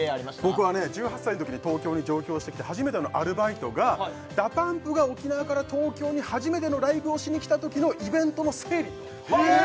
僕はね１８歳のときに東京に上京してきて初めてのアルバイトがＤＡＰＵＭＰが沖縄から東京に初めてのライブをしにきたときのイベントの整理